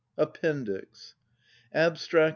APPENDIX. Abstract.